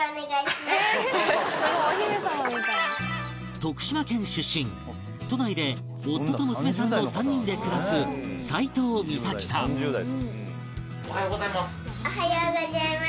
徳島県出身都内で夫と娘さんの３人で暮らす齋藤美沙希さんおはようございます。